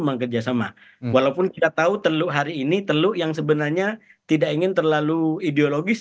bekerjasama walaupun kita tahu teluk hari ini teluk yang sebenarnya tidak ingin terlalu ideologis